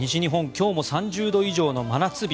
今日も３０度以上の真夏日。